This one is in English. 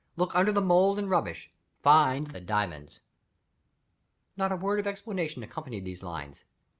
Look under the mould and rubbish. Find the diamonds." Not a word of explanation accompanied these lines.